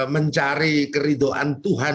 mencari keridoan tuhan